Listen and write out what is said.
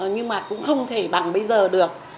nhưng mà cũng không thể bằng bây giờ được